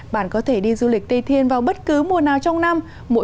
bạn có thể đi du lịch tây thiên vào bất cứ mùa nào trong năm